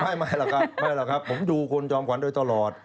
ไม่หรอกครับผมดูคุณจอมขวัญโดยตลอด